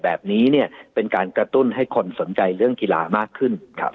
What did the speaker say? แบบนี้เนี่ยเป็นการกระตุ้นให้คนสนใจเรื่องกีฬามากขึ้น